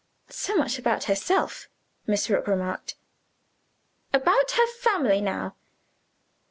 "So much about herself," Mrs. Rook remarked. "About her family now?"